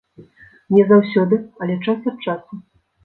Не заўсёды, але час ад часу.